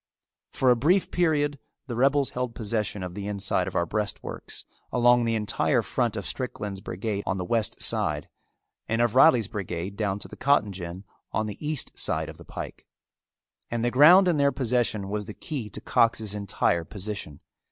For a brief period the rebels held possession of the inside of our breastworks along the entire front of Strickland's brigade on the west side, and of Reilly's brigade down to the cotton gin on the east side of the pike; and the ground in their possession was the key to Cox's entire position.